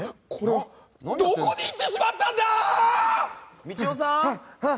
どこにいってしまったんだ！